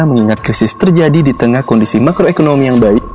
mengingat krisis terjadi di tengah kondisi makroekonomi yang baik